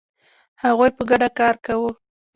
هغوی په ګډه کار کاوه.